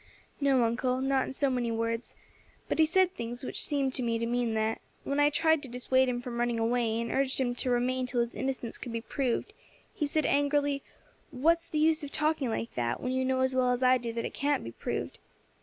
"No, uncle, not in so many words, but he said things which seemed to me to mean that. When I tried to dissuade him from running away, and urged him to remain till his innocence could be proved, he said angrily, 'What's the use of talking like that, when you know as well as I do that it can't be proved.'